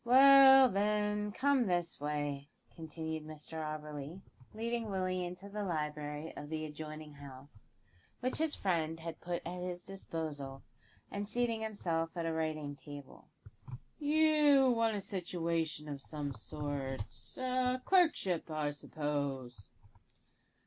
"Well, then, come this way," continued Mr Auberly, leading Willie into the library of the adjoining house, which his friend had put at his disposal, and seating himself at a writing table. "You want a situation of some sort a clerkship, I suppose?"